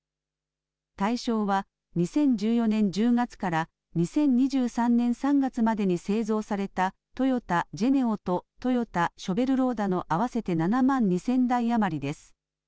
対象は２０１４年１０月から、２０２３年３月までに製造された、トヨタジェネオと、トヨタショベルローダの合わせて７万２０００台余りです。